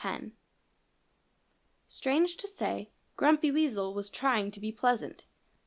HEN Strange to say, Grumpy Weasel was trying to be pleasant.